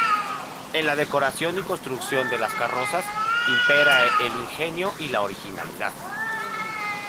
En la decoración y construcción de las carrozas impera el ingenio y la originalidad.